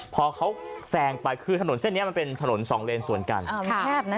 พอเขาแซงไปคือถนนเส้นนี้มันเป็นถนน๒เลนส่วนกัน